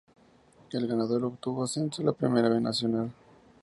El ganador obtuvo el ascenso a la Primera B Nacional.